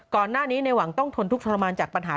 ก่อนหน้านี้ในหวังต้องทนทุกขรมานจากปัญหา